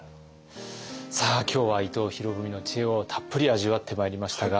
今日は伊藤博文の知恵をたっぷり味わってまいりましたが。